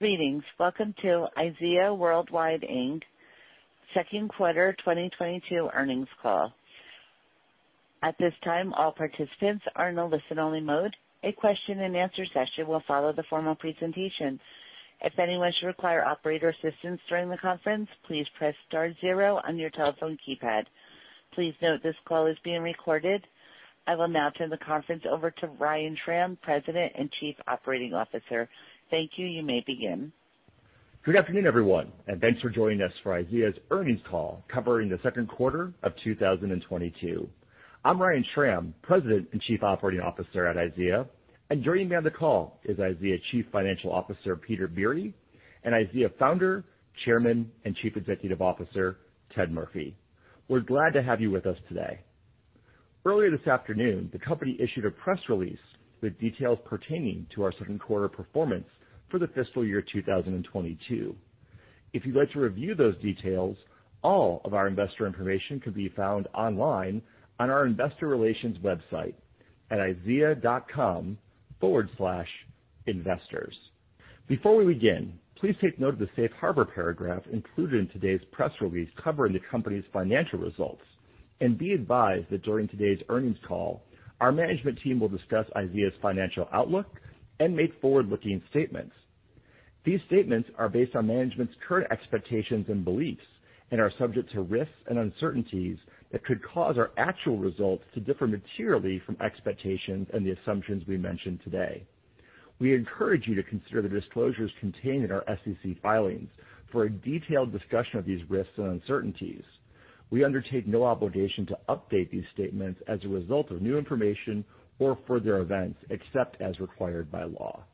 Greetings. Welcome to IZEA Worldwide, Inc., Second Quarter 2022 Earnings Call. At this time, all participants are in a listen-only mode. A question-and-answer session will follow the formal presentation. If anyone should require operator assistance during the conference, please press star zero on your telephone keypad. Please note this call is being recorded. I will now turn the conference over to Ryan Schram, President and Chief Operating Officer. Thank you. You may begin. Good afternoon, everyone, and thanks for joining us for IZEA's earnings call covering the second quarter of 2022. I'm Ryan Schram, President and Chief Operating Officer at IZEA. Joining me on the call is IZEA Chief Financial Officer, Peter Biere; and IZEA Founder, Chairman, and Chief Executive Officer, Ted Murphy. We're glad to have you with us today. Earlier this afternoon, the company issued a press release with details pertaining to our second quarter performance for the fiscal year 2022. If you'd like to review those details, all of our investor information can be found online on our investor relations website at izea.com/investors. Before we begin, please take note of the safe harbor paragraph included in today's press release covering the company's financial results, and be advised that during today's earnings call, our management team will discuss IZEA's financial outlook and make forward-looking statements. These statements are based on management's current expectations and beliefs and are subject to risks and uncertainties that could cause our actual results to differ materially from expectations and the assumptions we mention today. We encourage you to consider the disclosures contained in our SEC filings for a detailed discussion of these risks and uncertainties. We undertake no obligation to update these statements as a result of new information or further events, except as required by law.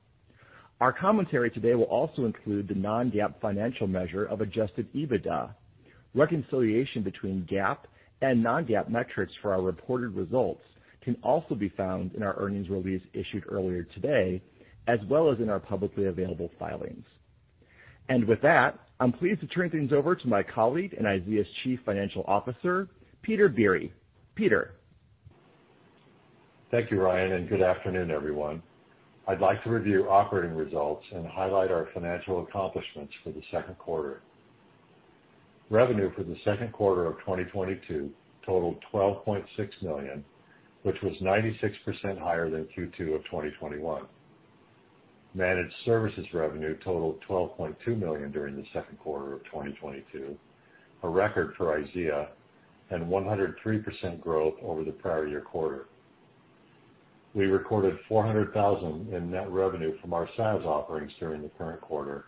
Our commentary today will also include the non-GAAP financial measure of adjusted EBITDA. Reconciliation between GAAP and non-GAAP metrics for our reported results can also be found in our earnings release issued earlier today, as well as in our publicly available filings. With that, I'm pleased to turn things over to my colleague and IZEA's Chief Financial Officer, Peter Biere. Peter. Thank you, Ryan, and good afternoon, everyone. I'd like to review operating results and highlight our financial accomplishments for the second quarter. Revenue for the second quarter of 2022 totaled $12.6 million, which was 96% higher than Q2 of 2021. Managed services revenue totaled $12.2 million during the second quarter of 2022, a record for IZEA, and 103% growth over the prior year quarter. We recorded $400,000 in net revenue from our SaaS offerings during the current quarter,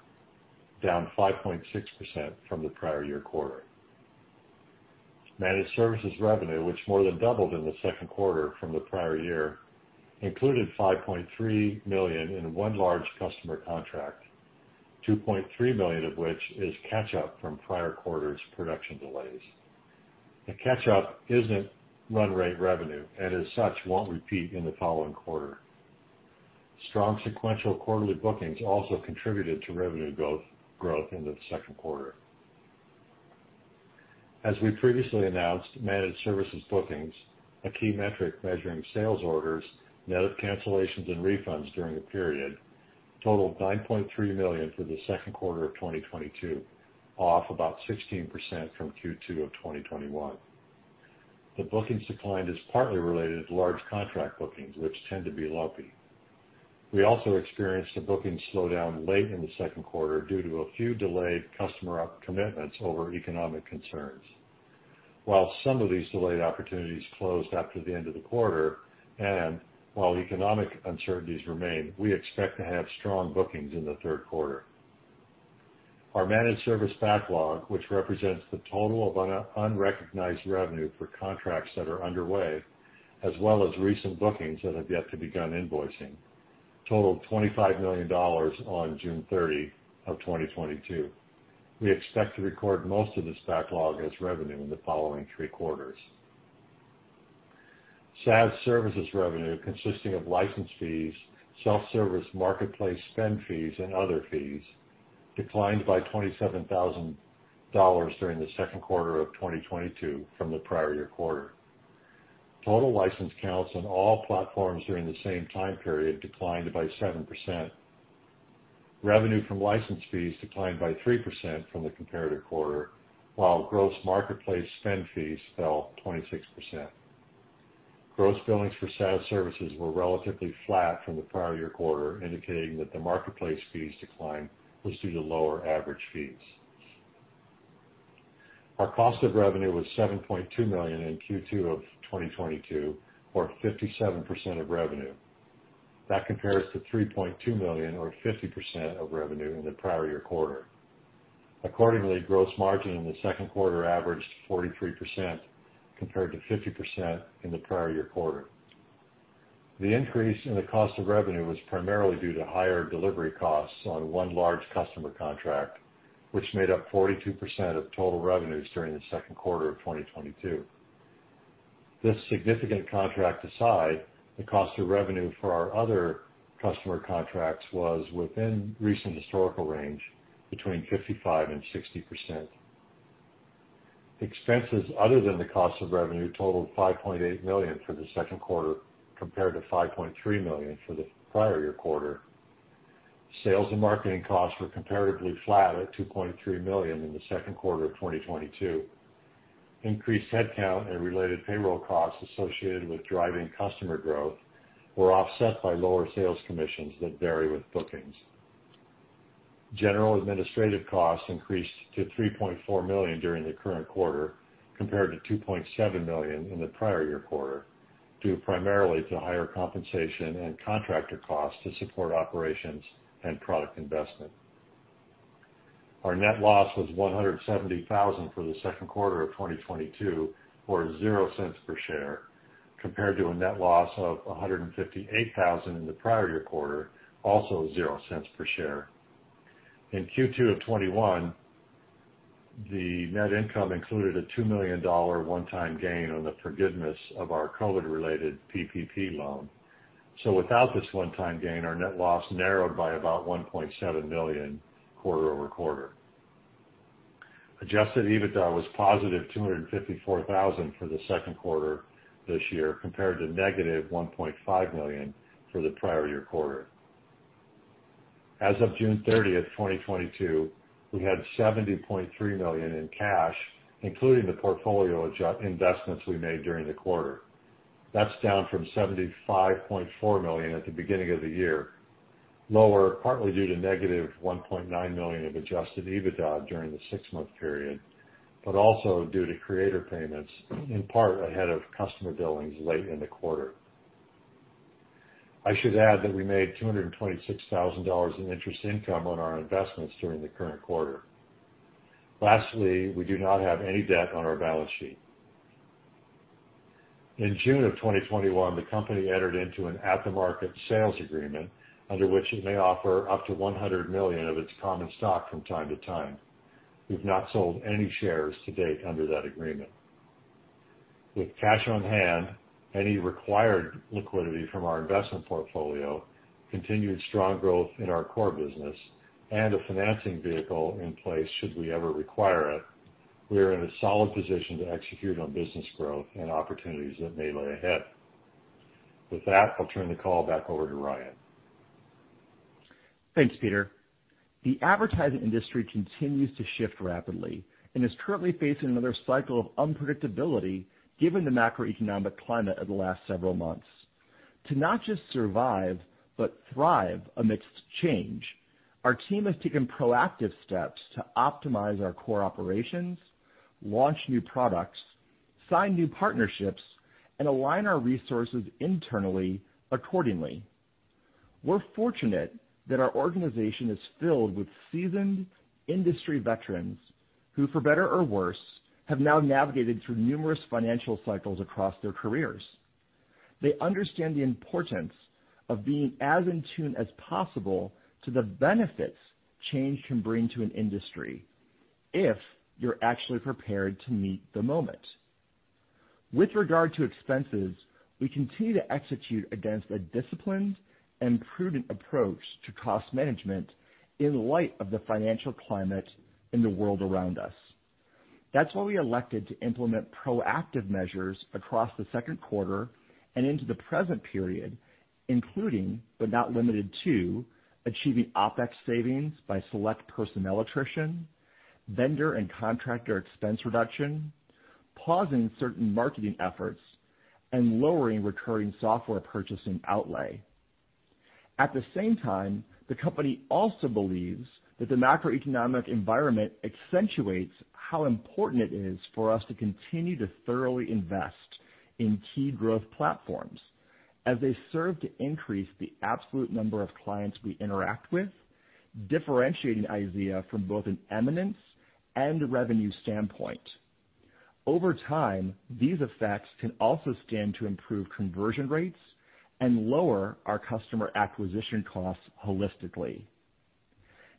down 5.6% from the prior year quarter. Managed services revenue, which more than doubled in the second quarter from the prior year, included $5.3 million in one large customer contract, $2.3 million of which is catch-up from prior quarters' production delays. The catch-up isn't run rate revenue and as such, won't repeat in the following quarter. Strong sequential quarterly bookings also contributed to revenue growth into the second quarter. As we previously announced, Managed Services bookings, a key metric measuring sales orders, net of cancellations and refunds during the period, totaled $9.3 million for the second quarter of 2022, off about 16% from Q2 of 2021. The bookings decline is partly related to large contract bookings, which tend to be lumpy. We also experienced a booking slowdown late in the second quarter due to a few delayed customer commitments over economic concerns. While some of these delayed opportunities closed after the end of the quarter, and while economic uncertainties remain, we expect to have strong bookings in the third quarter. Our Managed Services backlog, which represents the total of unrecognized revenue for contracts that are underway, as well as recent bookings that have yet to begin invoicing, totaled $25 million on June 30, 2022. We expect to record most of this backlog as revenue in the following three quarters. SaaS Services revenue, consisting of license fees, self-service marketplace spend fees, and other fees, declined by $27,000 during the second quarter of 2022 from the prior year quarter. Total license counts on all platforms during the same time period declined by 7%. Revenue from license fees declined by 3% from the comparative quarter, while gross marketplace spend fees fell 26%. Gross billings for SaaS Services were relatively flat from the prior year quarter, indicating that the marketplace fees decline was due to lower average fees. Our cost of revenue was $7.2 million in Q2 of 2022, or 57% of revenue. That compares to $3.2 million or 50% of revenue in the prior year quarter. Accordingly, gross margin in the second quarter averaged 43% compared to 50% in the prior year quarter. The increase in the cost of revenue was primarily due to higher delivery costs on one large customer contract, which made up 42% of total revenues during the second quarter of 2022. This significant contract aside, the cost of revenue for our other customer contracts was within recent historical range between 55% and 60%. Expenses other than the cost of revenue totaled $5.8 million for the second quarter, compared to $5.3 million for the prior year quarter. Sales and marketing costs were comparatively flat at $2.3 million in the second quarter of 2022. Increased headcount and related payroll costs associated with driving customer growth were offset by lower sales commissions that vary with bookings. General administrative costs increased to $3.4 million during the current quarter, compared to $2.7 million in the prior year quarter, due primarily to higher compensation and contractor costs to support operations and product investment. Our net loss was $170,000 for the second quarter of 2022, or $0.00 Per share, compared to a net loss of $158,000 in the prior year quarter, also $0.00 Per share. In Q2 of 2021, the net income included a $2 million one-time gain on the forgiveness of our COVID-related PPP loan. Without this one-time gain, our net loss narrowed by about $1.7 million quarter-over-quarter. Adjusted EBITDA was positive $254,000 for the second quarter this year, compared to negative $1.5 million for the prior year quarter. As of June 30th, 2022, we had $70.3 million in cash, including the portfolio investments we made during the quarter. That's down from $75.4 million at the beginning of the year. Lower, partly due to negative $1.9 million of Adjusted EBITDA during the six-month period, but also due to creator payments, in part ahead of customer billings late in the quarter. I should add that we made $226,000 in interest income on our investments during the current quarter. Lastly, we do not have any debt on our balance sheet. In June of 2021, the company entered into an at-the-market sales agreement under which it may offer up to $100 million of its common stock from time to time. We've not sold any shares to date under that agreement. With cash on hand, any required liquidity from our investment portfolio, continued strong growth in our core business, and a financing vehicle in place should we ever require it, we are in a solid position to execute on business growth and opportunities that may lay ahead. With that, I'll turn the call back over to Ryan. Thanks, Peter. The advertising industry continues to shift rapidly and is currently facing another cycle of unpredictability given the macroeconomic climate of the last several months. To not just survive but thrive amidst change, our team has taken proactive steps to optimize our core operations, launch new products, sign new partnerships, and align our resources internally accordingly. We're fortunate that our organization is filled with seasoned industry veterans who, for better or worse, have now navigated through numerous financial cycles across their careers. They understand the importance of being as in tune as possible to the benefits change can bring to an industry if you're actually prepared to meet the moment. With regard to expenses, we continue to execute against a disciplined and prudent approach to cost management in light of the financial climate in the world around us. That's why we elected to implement proactive measures across the second quarter and into the present period, including, but not limited to, achieving OpEx savings by select personnel attrition, vendor and contractor expense reduction, pausing certain marketing efforts, and lowering recurring software purchasing outlay. At the same time, the company also believes that the macroeconomic environment accentuates how important it is for us to continue to thoroughly invest in key growth platforms as they serve to increase the absolute number of clients we interact with, differentiating IZEA from both an eminence and revenue standpoint. Over time, these effects can also stand to improve conversion rates and lower our customer acquisition costs holistically.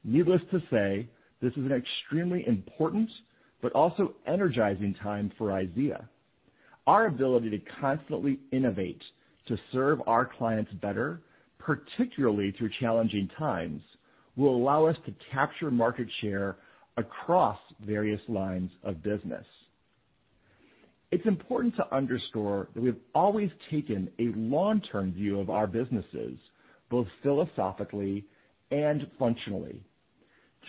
Needless to say, this is an extremely important but also energizing time for IZEA. Our ability to constantly innovate to serve our clients better, particularly through challenging times, will allow us to capture market share across various lines of business. It's important to underscore that we've always taken a long-term view of our businesses, both philosophically and functionally.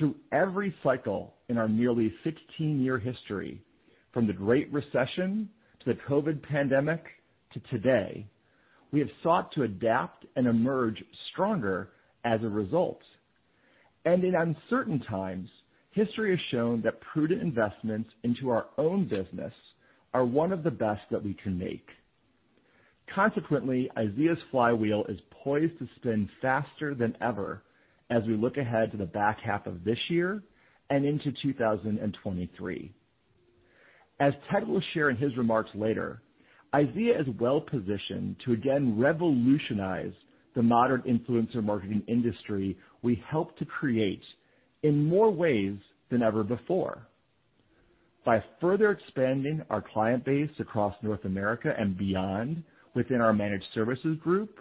Through every cycle in our nearly 16-year history, from the Great Recession to the COVID pandemic to today, we have sought to adapt and emerge stronger as a result. In uncertain times, history has shown that prudent investments into our own business are one of the best that we can make. Consequently, IZEA's flywheel is poised to spin faster than ever as we look ahead to the back half of this year and into 2023. As Ted will share in his remarks later, IZEA is well-positioned to again revolutionize the modern influencer marketing industry we helped to create in more ways than ever before. By further expanding our client base across North America and beyond within our Managed Services group,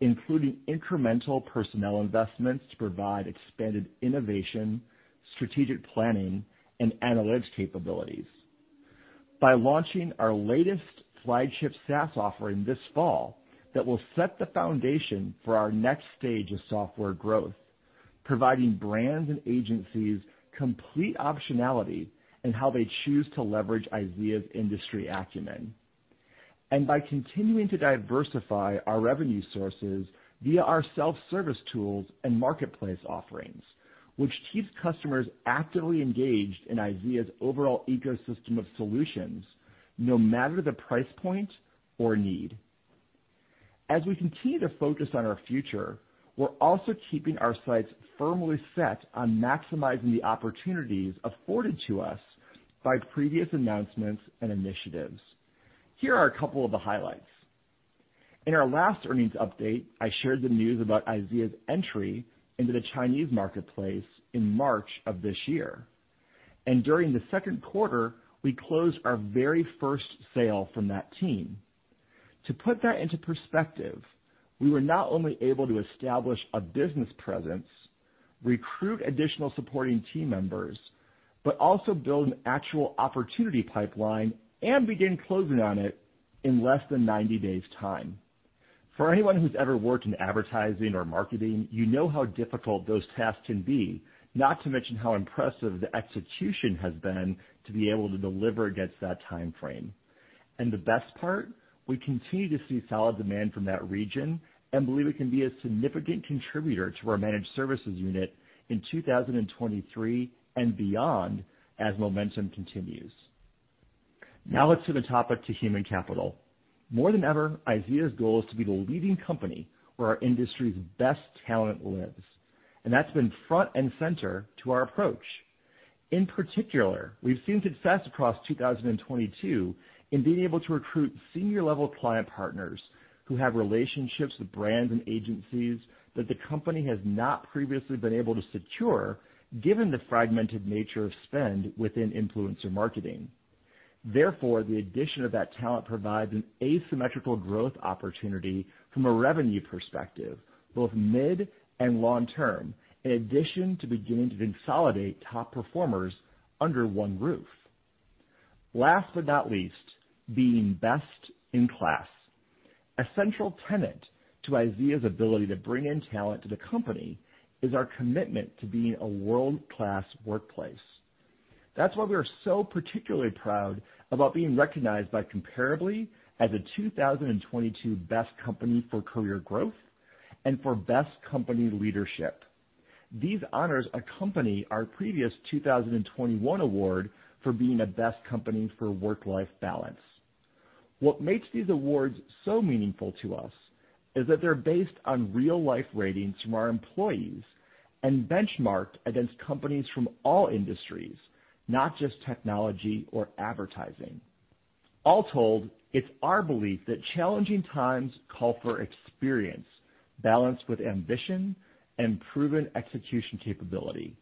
including incremental personnel investments to provide expanded innovation, strategic planning, and analytics capabilities. By launching our latest flagship SaaS offering this fall that will set the foundation for our next stage of software growth, providing brands and agencies complete optionality in how they choose to leverage IZEA's industry acumen. By continuing to diversify our revenue sources via our self-service tools and marketplace offerings, which keeps customers actively engaged in IZEA's overall ecosystem of solutions, no matter the price point or need. As we continue to focus on our future, we're also keeping our sights firmly set on maximizing the opportunities afforded to us by previous announcements and initiatives. Here are a couple of the highlights. In our last earnings update, I shared the news about IZEA's entry into the Chinese marketplace in March of this year. During the second quarter, we closed our very first sale from that team. To put that into perspective, we were not only able to establish a business presence, recruit additional supporting team members, but also build an actual opportunity pipeline and begin closing on it in less than 90 days time. For anyone who's ever worked in advertising or marketing, you know how difficult those tasks can be, not to mention how impressive the execution has been to be able to deliver against that timeframe. The best part, we continue to see solid demand from that region and believe it can be a significant contributor to our Managed Services unit in 2023 and beyond as momentum continues. Now let's turn the topic to human capital. More than ever, IZEA's goal is to be the leading company where our industry's best talent lives, and that's been front and center to our approach. In particular, we've seen success across 2022 in being able to recruit senior-level client partners who have relationships with brands and agencies that the company has not previously been able to secure given the fragmented nature of spend within influencer marketing. Therefore, the addition of that talent provides an asymmetrical growth opportunity from a revenue perspective, both mid and long term, in addition to beginning to consolidate top performers under one roof. Last but not least, being best in class. A central tenet to IZEA's ability to bring in talent to the company is our commitment to being a world-class workplace. That's why we are so particularly proud about being recognized by Comparably as a 2022 Best Company for Career Growth and for Best Company Leadership. These honors accompany our previous 2021 award for being a Best Company for Work-Life Balance. What makes these awards so meaningful to us is that they're based on real-life ratings from our employees and benchmarked against companies from all industries, not just technology or advertising. All told, it's our belief that challenging times call for experience balanced with ambition and proven execution capability.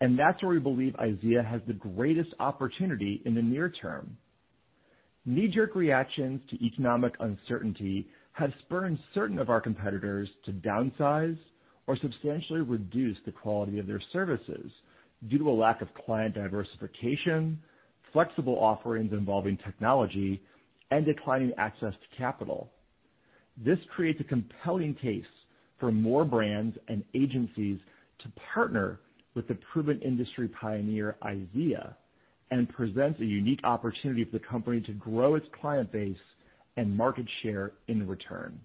That's where we believe IZEA has the greatest opportunity in the near term. Knee-jerk reactions to economic uncertainty have spurred certain of our competitors to downsize or substantially reduce the quality of their services due to a lack of client diversification, flexible offerings involving technology, and declining access to capital. This creates a compelling case for more brands and agencies to partner with the proven industry pioneer IZEA and presents a unique opportunity for the company to grow its client base and market share in return.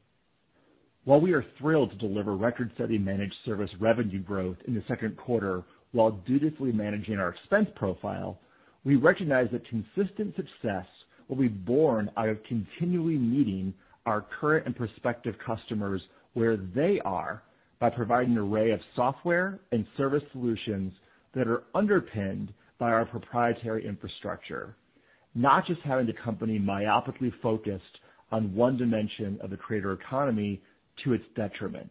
While we are thrilled to deliver record-setting Managed Services revenue growth in the second quarter while dutifully managing our expense profile, we recognize that consistent success will be borne out of continually meeting our current and prospective customers where they are by providing an array of software and service solutions that are underpinned by our proprietary infrastructure, not just having the company myopically focused on one dimension of the creator economy to its detriment.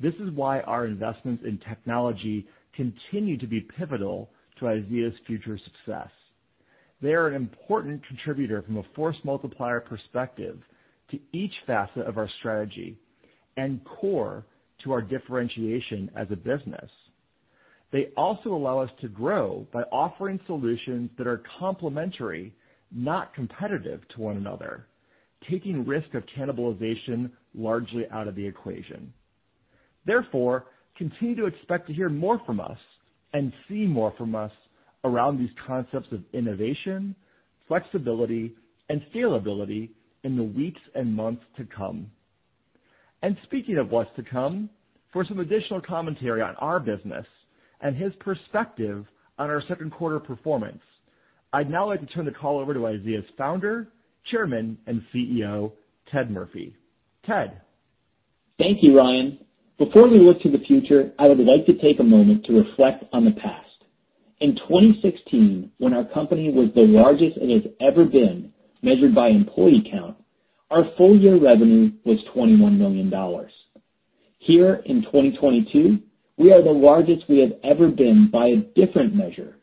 This is why our investments in technology continue to be pivotal to IZEA's future success. They are an important contributor from a force multiplier perspective to each facet of our strategy and core to our differentiation as a business. They also allow us to grow by offering solutions that are complementary, not competitive to one another, taking risk of cannibalization largely out of the equation. Therefore, continue to expect to hear more from us and see more from us around these concepts of innovation, flexibility, and scalability in the weeks and months to come. Speaking of what's to come, for some additional commentary on our business and his perspective on our second quarter performance, I'd now like to turn the call over to IZEA's Founder, Chairman, and CEO, Ted Murphy. Ted? Thank you, Ryan. Before we look to the future, I would like to take a moment to reflect on the past. In 2016, when our company was the largest it has ever been measured by employee count, our full year revenue was $21 million. Here in 2022, we are the largest we have ever been by a different measure,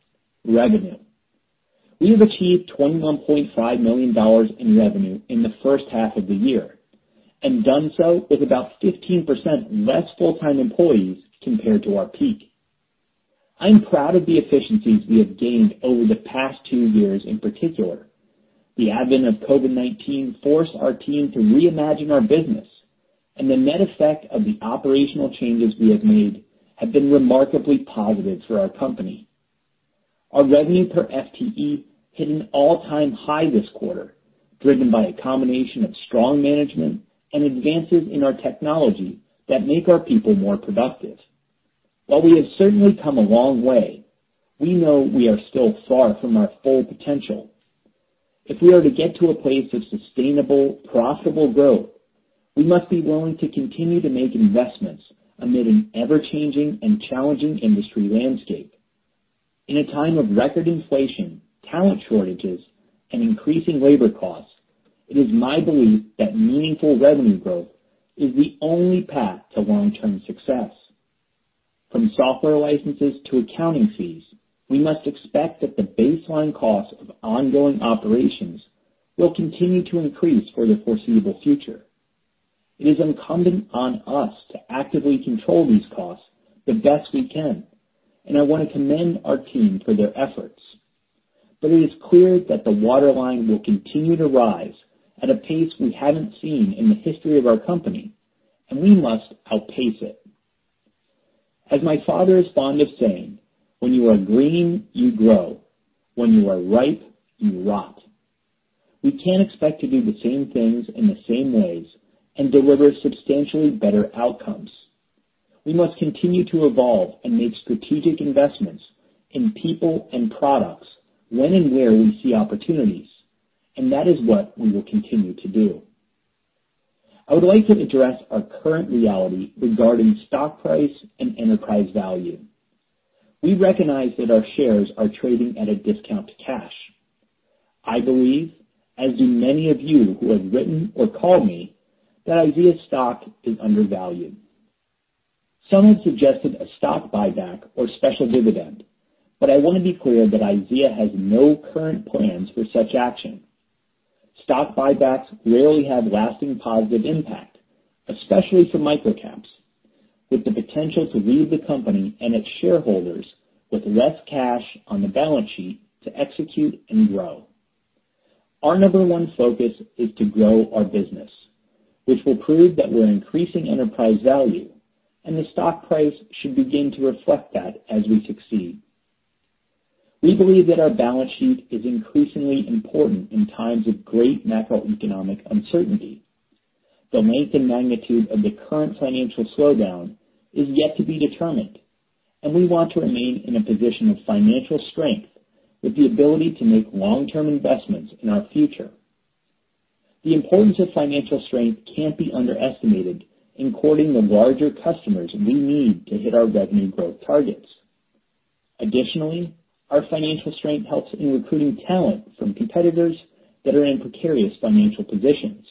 revenue. We have achieved $21.5 million in revenue in the first half of the year, and done so with about 15% less full-time employees compared to our peak. I'm proud of the efficiencies we have gained over the past two years, in particular. The advent of COVID-19 forced our team to reimagine our business, and the net effect of the operational changes we have made have been remarkably positive for our company. Our revenue per FTE hit an all-time high this quarter, driven by a combination of strong management and advances in our technology that make our people more productive. While we have certainly come a long way, we know we are still far from our full potential. If we are to get to a place of sustainable, profitable growth, we must be willing to continue to make investments amid an ever-changing and challenging industry landscape. In a time of record inflation, talent shortages, and increasing labor costs, it is my belief that meaningful revenue growth is the only path to long-term success. From software licenses to accounting fees, we must expect that the baseline cost of ongoing operations will continue to increase for the foreseeable future. It is incumbent on us to actively control these costs the best we can, and I want to commend our team for their efforts. It is clear that the waterline will continue to rise at a pace we haven't seen in the history of our company, and we must outpace it. As my father is fond of saying, "When you are green, you grow. When you are ripe, you rot." We can't expect to do the same things in the same ways and deliver substantially better outcomes. We must continue to evolve and make strategic investments in people and products when and where we see opportunities, and that is what we will continue to do. I would like to address our current reality regarding stock price and enterprise value. We recognize that our shares are trading at a discount to cash. I believe, as do many of you who have written or called me, that IZEA stock is undervalued. Some have suggested a stock buyback or special dividend, but I want to be clear that IZEA has no current plans for such action. Stock buybacks rarely have lasting positive impact, especially for micro caps, with the potential to leave the company and its shareholders with less cash on the balance sheet to execute and grow. Our number one focus is to grow our business, which will prove that we're increasing enterprise value, and the stock price should begin to reflect that as we succeed. We believe that our balance sheet is increasingly important in times of great macroeconomic uncertainty. The length and magnitude of the current financial slowdown is yet to be determined, and we want to remain in a position of financial strength with the ability to make long-term investments in our future. The importance of financial strength can't be underestimated in courting the larger customers we need to hit our revenue growth targets. Additionally, our financial strength helps in recruiting talent from competitors that are in precarious financial positions.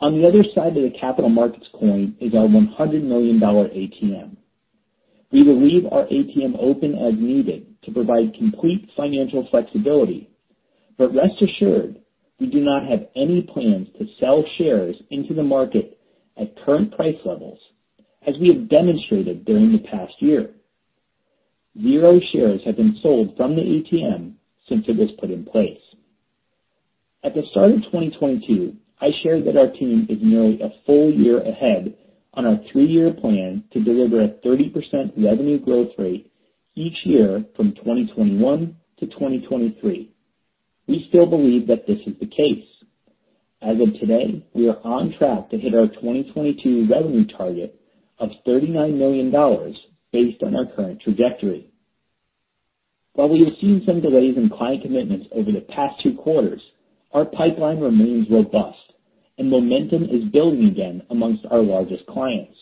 On the other side of the capital markets coin is our $100 million ATM. We will leave our ATM open as needed to provide complete financial flexibility, but rest assured, we do not have any plans to sell shares into the market at current price levels, as we have demonstrated during the past year. Zero shares have been sold from the ATM since it was put in place. At the start of 2022, I shared that our team is nearly a full year ahead on our three-year plan to deliver a 30% revenue growth rate each year from 2021-2023. We still believe that this is the case. As of today, we are on track to hit our 2022 revenue target of $39 million based on our current trajectory. While we have seen some delays in client commitments over the past two quarters, our pipeline remains robust and momentum is building again among our largest clients.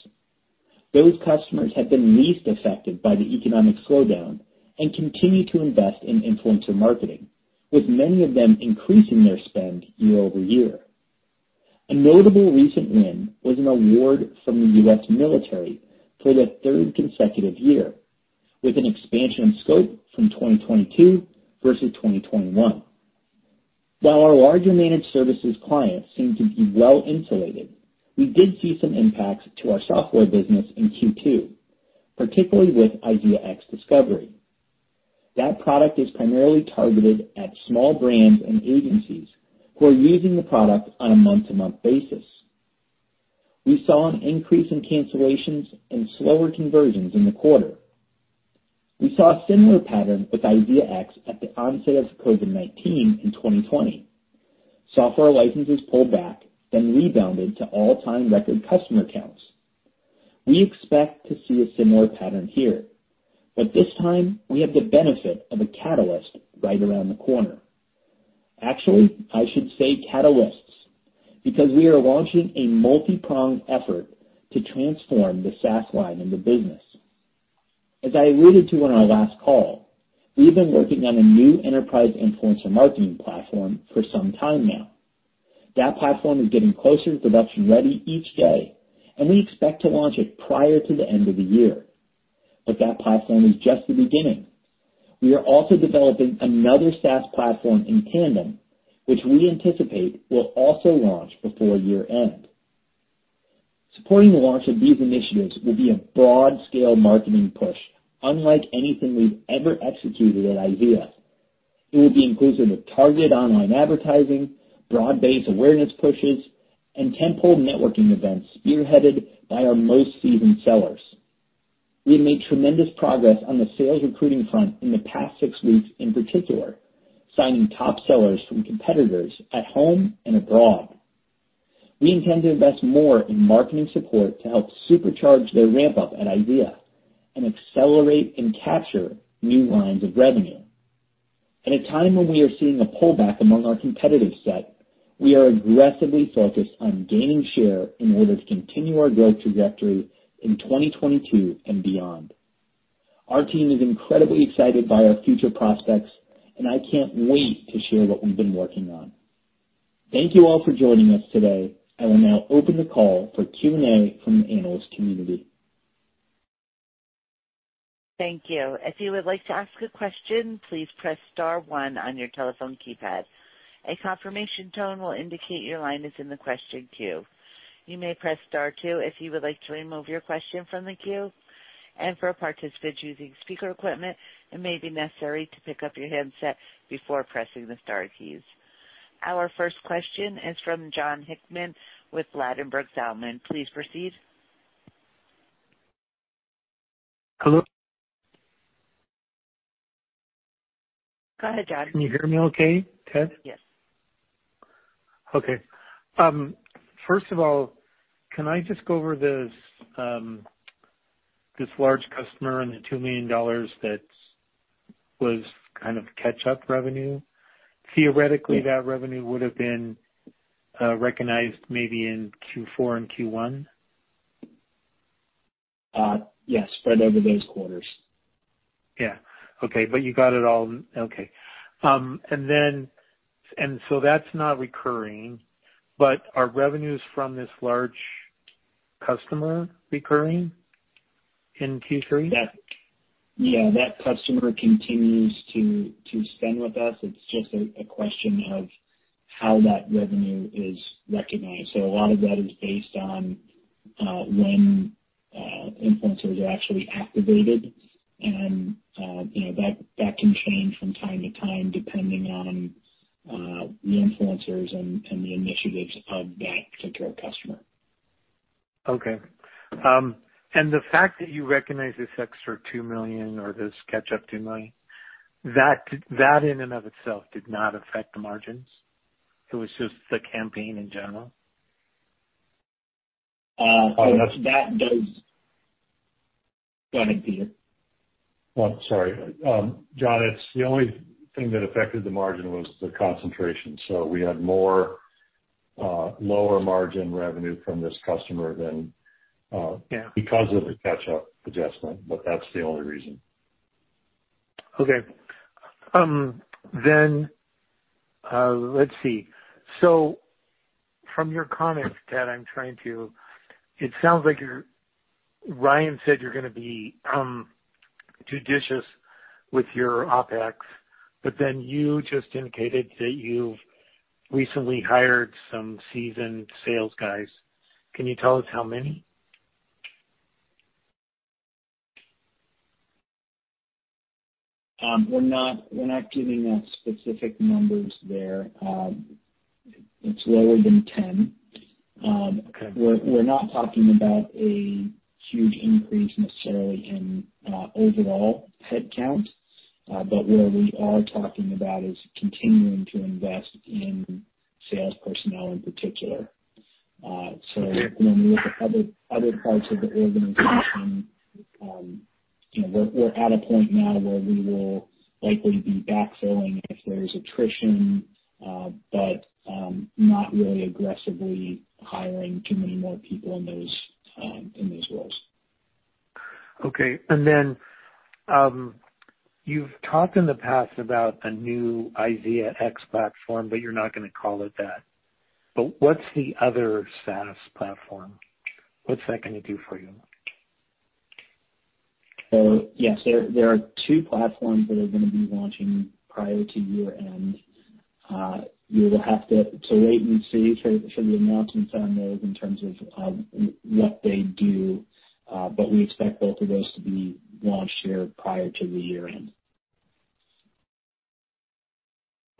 Those customers have been least affected by the economic slowdown and continue to invest in influencer marketing, with many of them increasing their spend year-over-year. A notable recent win was an award from the U.S. Military for the third consecutive year, with an expansion in scope from 2022 versus 2021. While our larger Managed Services clients seem to be well-insulated, we did see some impacts to our software business in Q2, particularly with IZEAx Discovery. That product is primarily targeted at small brands and agencies who are using the product on a month-to-month basis. We saw an increase in cancellations and slower conversions in the quarter. We saw a similar pattern with IZEAx at the onset of COVID-19 in 2020. Software licenses pulled back then rebounded to all-time record customer counts. We expect to see a similar pattern here, but this time we have the benefit of a catalyst right around the corner. Actually, I should say catalysts, because we are launching a multi-pronged effort to transform the SaaS line of the business. As I alluded to on our last call, we've been working on a new enterprise influencer marketing platform for some time now. That platform is getting closer to production ready each day, and we expect to launch it prior to the end of the year. That platform is just the beginning. We are also developing another SaaS platform in tandem, which we anticipate will also launch before year end. Supporting the launch of these initiatives will be a broad scale marketing push unlike anything we've ever executed at IZEA. It will be inclusive of targeted online advertising, broad-based awareness pushes, and tentpole networking events spearheaded by our most seasoned sellers. We have made tremendous progress on the sales recruiting front in the past six weeks, in particular, signing top sellers from competitors at home and abroad. We intend to invest more in marketing support to help supercharge their ramp up at IZEA and accelerate and capture new lines of revenue. At a time when we are seeing a pullback among our competitive set, we are aggressively focused on gaining share in order to continue our growth trajectory in 2022 and beyond. Our team is incredibly excited by our future prospects, and I can't wait to share what we've been working on. Thank you all for joining us today. I will now open the call for Q&A from the analyst community. Thank you. If you would like to ask a question, please press star one on your telephone keypad. A confirmation tone will indicate your line is in the question queue. You may press star two if you would like to remove your question from the queue. For participants using speaker equipment, it may be necessary to pick up your handset before pressing the star keys. Our first question is from Jon Hickman with Ladenburg Thalmann. Please proceed. Hello? Go ahead, Jon. Can you hear me okay, Ted? Yes. Okay. First of all, can I just go over this large customer and the $2 million that was kind of catch-up revenue? Theoretically, that revenue would have been recognized maybe in Q4 and Q1. Yes, spread over those quarters. Yeah. Okay. You got it all. Okay. That's not recurring, but are revenues from this large customer recurring in Q3? Yeah. That customer continues to spend with us. It's just a question of how that revenue is recognized. A lot of that is based on when influencers are actually activated. You know, that can change from time to time, depending on the influencers and the initiatives of that particular customer. Okay. The fact that you recognize this extra $2 million or this catch-up $2 million, that in and of itself did not affect the margins. It was just the campaign in general? That does. Go ahead, Peter. Oh, sorry. Jon, it's the only thing that affected the margin was the concentration. We had more lower margin revenue from this customer than Yeah. Because of the catch-up adjustment, but that's the only reason. From your comments, Ted, it sounds like Ryan said you're gonna be judicious with your OpEx, but then you just indicated that you've recently hired some seasoned sales guys. Can you tell us how many? We're not giving out specific numbers there. It's lower than 10. Okay. We're not talking about a huge increase necessarily in overall headcount, but what we are talking about is continuing to invest in sales personnel in particular. When we look at other parts of the organization, you know, we're at a point now where we will likely be backfilling if there's attrition, but not really aggressively hiring too many more people in those roles. Okay. You've talked in the past about a new IZEAx platform, but you're not gonna call it that. What's the other SaaS platform? What's that gonna do for you? Yes, there are two platforms that are gonna be launching prior to year end. You will have to wait and see for the announcements on those in terms of what they do, but we expect both of those to be launched here prior to the year end.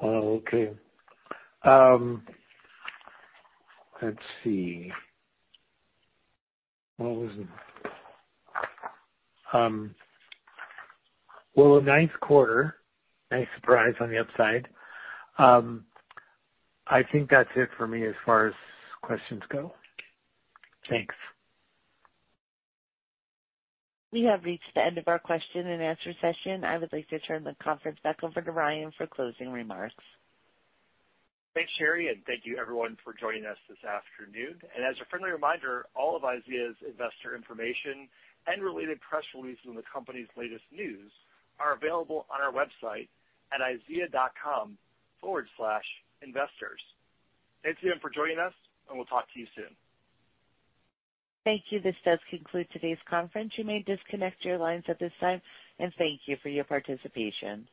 Oh, okay. Let's see. What was it? Well, a nice quarter. Nice surprise on the upside. I think that's it for me as far as questions go. Thanks. We have reached the end of our question and answer session. I would like to turn the conference back over to Ryan for closing remarks. Thanks, Sherry, and thank you everyone for joining us this afternoon. As a friendly reminder, all of IZEA's investor information and related press releases and the company's latest news are available on our website at izea.com/investors. Thanks again for joining us, and we'll talk to you soon. Thank you. This does conclude today's conference. You may disconnect your lines at this time. Thank you for your participation.